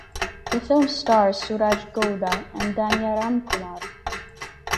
The film stars Suraj Gowda and Dhanya Ramkumar.